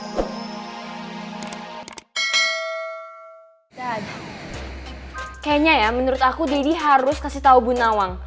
kayaknya ya menurut aku deddy harus kasih tahu bu nawang